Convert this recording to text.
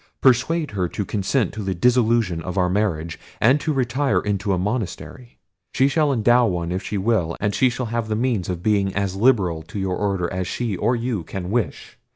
Persuade her to consent to the dissolution of our marriage, and to retire into a monastery—she shall endow one if she will; and she shall have the means of being as liberal to your order as she or you can wish.